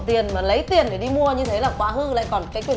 đây ngồi đây mẹ nói chuyện với con